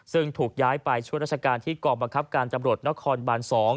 ซึ่งถูกย้ายไปช่วยราชการที่กองบังคับการตำรวจนครบาน๒